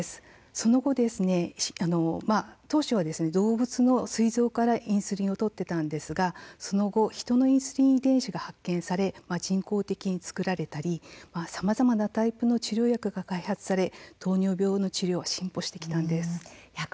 その後、当初は動物のすい臓からインスリンを取っていたんですが、その後人のインスリン遺伝子が発見され人工的に作られたりさまざまなタイプの治療薬が開発され、糖尿病の治療は進歩してきたんです。